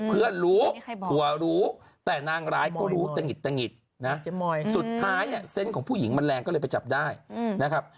เพื่อนรู้ผัวรู้แต่นางร้ายก็รู้ตะหิดตะหิดนะสุดท้ายเนี่ยเซนต์ของผู้หญิงมันแรงก็เลยไปจับได้นะครับ